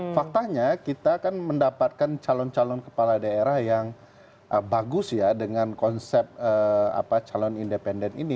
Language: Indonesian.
faktanya kita kan mendapatkan calon calon kepala daerah yang bagus ya dengan konsep calon independen ini